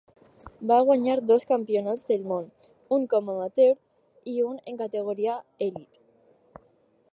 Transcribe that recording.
Va guanyar dos Campionats del món, un com amateur i un en categoria elit.